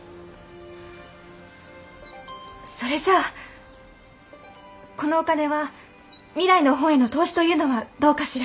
それじゃあこのお金は未来の本への投資というのはどうかしら？